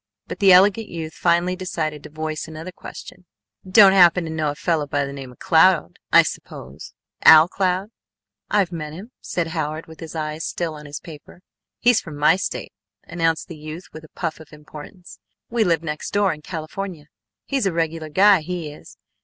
but the elegant youth finally decided to voice another question: "Don't happen to know a fellah by the name of Cloud, I suppose? Al Cloud?" "I've met him," said Howard with his eyes still on his paper. "He's from my State!" announced the youth with a puff of importance. "We live next door in California. He's a regular guy, he is.